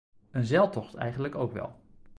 Een zeiltocht eigenlijk ook wel.